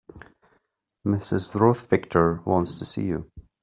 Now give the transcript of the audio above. Mrs. Ruth Victor wants to see you.